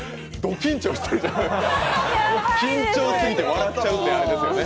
緊張しすぎて笑っちゃうという、あれですね。